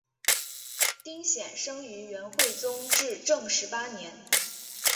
丁显生于元惠宗至正十八年。